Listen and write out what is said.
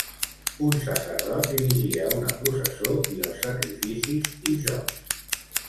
Un sacerdot dirigia una processó i els sacrificis i jocs.